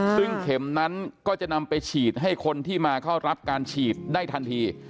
ซึ่งเข็มนั้นก็จะนำไปฉีดให้คนที่มาเข้ารับการฉีดได้ทันที